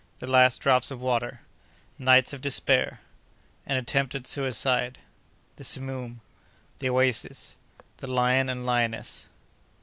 —The Last Drops of Water.—Nights of Despair.—An Attempt at Suicide.—The Simoom.—The Oasis.—The Lion and Lioness.